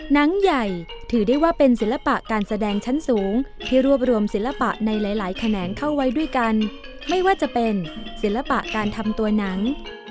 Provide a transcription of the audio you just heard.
หนังใหญ่ถือได้ว่าเป็นศิลปะการแสดงชั้นสูงที่รวบรวมศิลปะในหลายแขนงเข้าไว้ด้วยกันไม่ว่าจะเป็นศิลปะการทำตัวหนัง